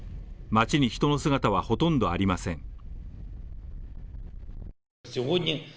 街に人の姿はほとんどありません。